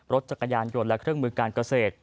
รถจักรยานยนต์และเครื่องมือการเกษตร